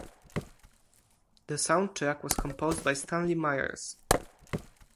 The soundtrack was composed by Stanley Myers.